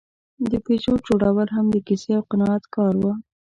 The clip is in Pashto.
د پيژو جوړول هم د کیسې او قناعت کار و.